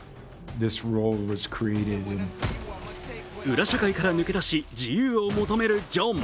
裏社会から抜け出し、自由を求めるジョン。